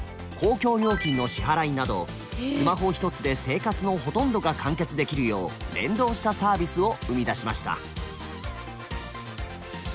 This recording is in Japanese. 公共料金の支払いなどスマホ一つで生活のほとんどが完結できるよう連動したサービスを生み出しました。